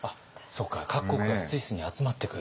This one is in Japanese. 各国がスイスに集まってくる？